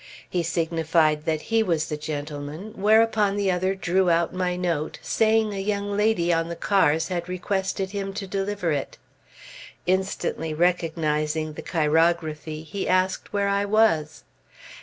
He signified that he was the gentleman, whereupon the other drew out my note, saying a young lady on the cars had requested him to deliver it. Instantly recognizing the chirography, he asked where I was.